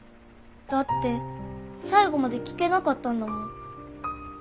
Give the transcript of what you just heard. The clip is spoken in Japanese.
だって最後まで聞けなかったんだもん。